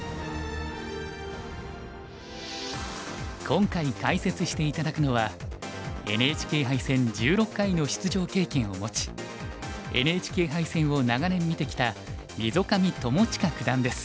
今回解説して頂くのはＮＨＫ杯戦１６回の出場経験を持ちＮＨＫ杯戦を長年見てきた溝上知親九段です。